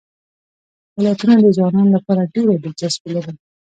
ولایتونه د ځوانانو لپاره ډېره دلچسپي لري.